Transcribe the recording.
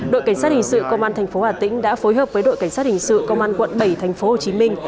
đội cảnh sát hình sự công an tp hà tĩnh đã phối hợp với đội cảnh sát hình sự công an quận bảy tp hồ chí minh